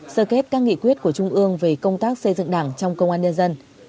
sơ kết các nghị quyết của trung ương về công tác xây dựng đảng trong công an nhân dân